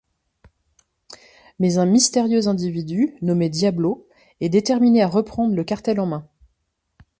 Mais un mystérieux individu, nommé Diablo, est déterminé à reprendre le cartel en main.